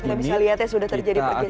kita bisa lihat ya sudah terjadi pergerakan